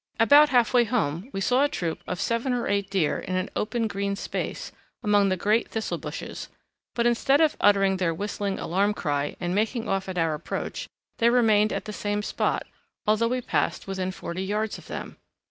About half way home we saw a troop of seven or eight deer in an open green space among the big grey thistle bushes, but instead of uttering their whistling alarm cry and making off at our approach they remained at the same spot, although we passed within forty yards of them.